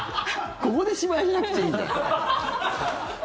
ここで芝居しなくていいんだよ。